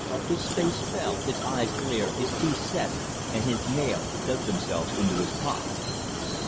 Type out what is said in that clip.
His face fell, his eyes glared, his teeth set, and his nails dug themselves into his palms.